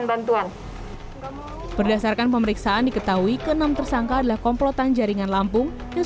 bantuan berdasarkan pemeriksaan diketahui ke enam tersangka adalah komplotan jaringan lampung yang